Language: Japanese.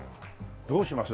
どうします？